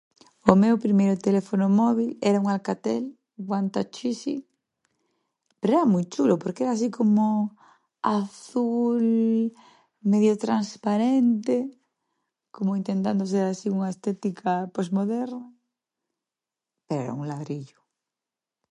O meu primeiro teléfono mobil era un Alcatel one touch easy, pero era moi chulo porque era así como azul medio transparente como intentando ser así unha estética postmoderna, Era un ladrillo.